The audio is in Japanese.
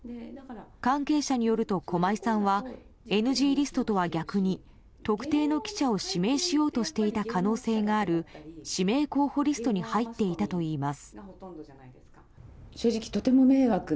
関係者によると、駒井さんはＮＧリストとは逆に特定の記者を指名しようとしていた可能性がある指名候補リストに入っていたといいます。